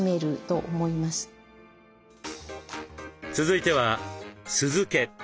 続いては酢漬け。